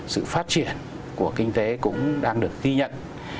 sự phát triển của kinh tế cũng đang được ghi nhận